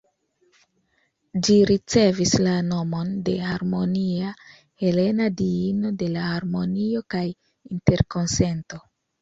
Ĝi ricevis la nomon de Harmonia, helena diino de la harmonio kaj interkonsento.